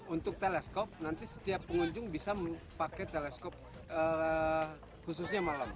untuk teleskop nanti setiap pengunjung bisa pakai teleskop khususnya malam